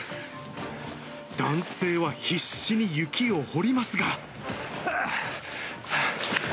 男性は必死に雪を掘りますが。